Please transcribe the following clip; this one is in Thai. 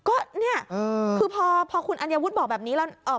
ก็นี่คือพอคุณอันยวุฒิบอกแบบนี้แล้ว